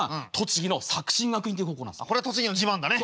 これ栃木の自慢だね。